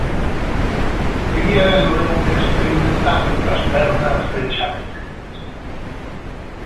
_Quería velo eu experimentando entre as pernas de xa me entendes.